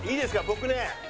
僕ね。